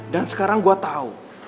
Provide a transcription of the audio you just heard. dan sekarang gue tau